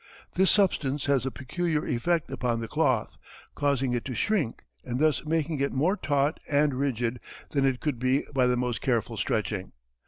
This substance has a peculiar effect upon the cloth, causing it to shrink, and thus making it more taut and rigid than it could be by the most careful stretching.